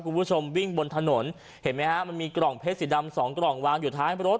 คุณผู้ชมวิ่งบนถนนเห็นไหมฮะมันมีกล่องเพชรสีดำสองกล่องวางอยู่ท้ายรถ